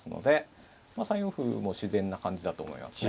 まあ３四歩も自然な感じだと思いますね。